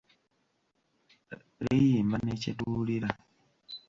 Liyimba ne kye tuwulira.